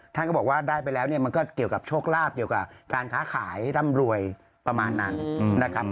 ท่านก็บอกว่าได้ไปแล้วเนี่ยมันก็เกี่ยวกับโชคลาภเกี่ยวกับการค้าขายร่ำรวยประมาณนั้นนะครับ